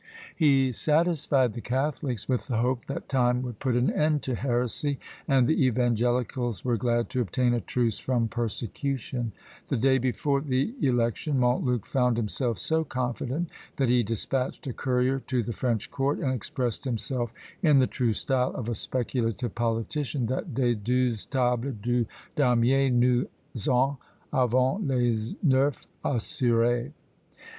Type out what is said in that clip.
He satisfied the catholics with the hope that time would put an end to heresy, and the evangelicals were glad to obtain a truce from persecution. The day before the election Montluc found himself so confident, that he despatched a courier to the French court, and expressed himself in the true style of a speculative politician, that des douze tables du Damier nous en avons les Neufs assurés.